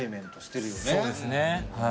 そうですね。